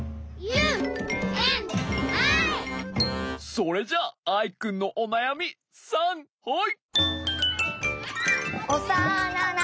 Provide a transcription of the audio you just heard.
それじゃあアイくんのおなやみさんはい！